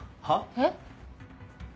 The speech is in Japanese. えっ？